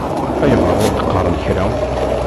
Ayɣer ur d-qqaṛen kra?